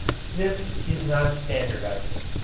This is not standardizing.